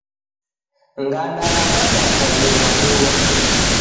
Ngada ra matafwali rawurwa